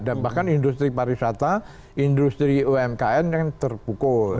dan bahkan industri pariwisata industri umkn yang terpukul